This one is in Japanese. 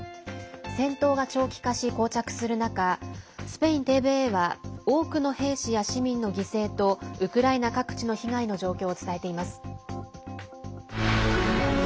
戦闘が長期化し、こう着する中スペインＴＶＥは多くの兵士や市民の犠牲とウクライナ各地の被害の状況を伝えています。